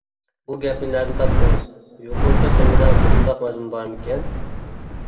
بۇ گەپنى نەدىن تاپتىڭىز؟ يۇقىرىقى تېمىدا مۇشۇنداق مەزمۇن بارمىكەن؟ !